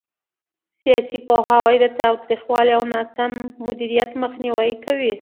سیاسي پوهاوی د تاوتریخوالي او ناسم مدیریت مخنیوي کوي